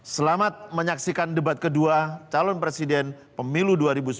selamat menyaksikan debat kedua calon presiden pemilu dua ribu sembilan belas